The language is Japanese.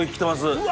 うわ！